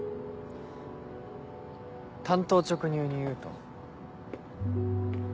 単刀直入に言うと。